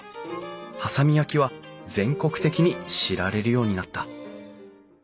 波佐見焼は全国的に知られるようになった。